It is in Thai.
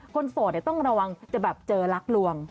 โสดต้องระวังจะแบบเจอรักลวง